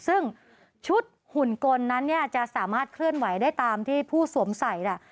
ซึ่งชุดหุ่นกลนั้นเนี่ยจะสามารถเคลื่อนไหวได้ตามที่ผู้สวมใส่ล่ะ